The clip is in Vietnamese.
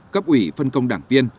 cấp ủy phân công đảng viên